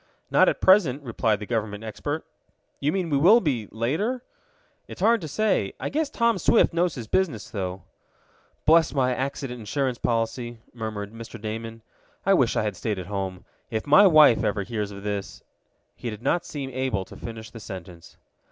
"Not at present," replied the government expert. "You mean we will be later?" "It's hard to say. I guess Tom Swift knows his business, though." "Bless my accident insurance policy!" murmured Mr. Damon. "I wish I had stayed home. If my wife ever hears of this " He did not seem able to finish the sentence.